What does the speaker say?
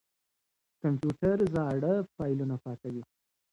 کمپيوټر زاړه فايلونه پاکوي.